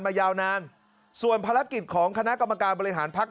ยาวนานส่วนภารกิจของคณะกรรมการบริหารพักษ